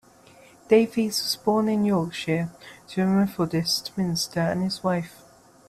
Davies was born in Yorkshire to a Methodist minister and his wife.